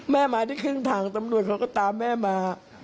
แม่มาที่เครื่องทางตำรวยเค้าก็ตามแม่มา